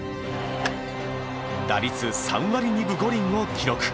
打率３割２分５厘を記録。